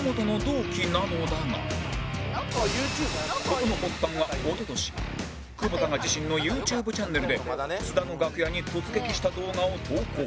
事の発端は一昨年久保田が自身の ＹｏｕＴｕｂｅ チャンネルで津田の楽屋に突撃した動画を投稿